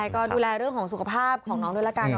ก็ดูแลเรื่องของสุขภาพของน้องด้วยละกัน